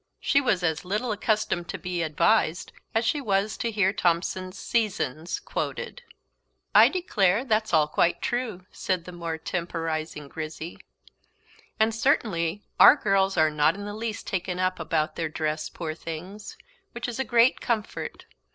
She was as little accustomed to be advised as she was to hear Thomson's "Seasons" quoted. "I declare that's all quite true," said the more temporising Grizzy; "and certainly our girls are not in the least taken up about their dress, poor things! which is a great comfort.